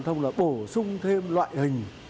thông là bổ sung thêm loại hình